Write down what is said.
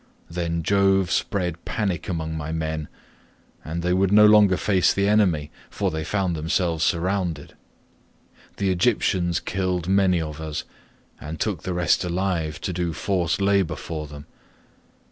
Then Jove spread panic among my men, and they would no longer face the enemy, for they found themselves surrounded. The Egyptians killed many of us, and took the rest alive to do forced labour for them.